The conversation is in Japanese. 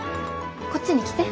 こっちに来て。